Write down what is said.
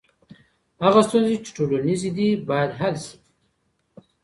هغه ستونزي چي ټولنیزي دي باید حل سي.